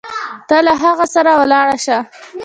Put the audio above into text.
ته له هغه سره ولاړه شه.